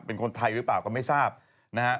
เป็นคนไทยหรือเปล่าก็ไม่ทราบนะฮะ